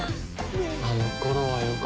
あの頃はよかった。